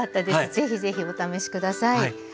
是非是非お試し下さい。